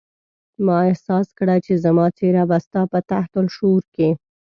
ما احساس کړه چې زما څېره به ستا په تحت الشعور کې.